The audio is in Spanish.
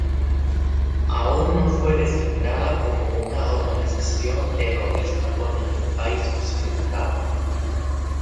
Aún no fue designada como una organización terrorista por ningún país occidental.